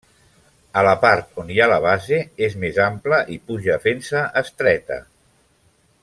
A la part on hi ha la base és més ampla i puja fent-se estreta.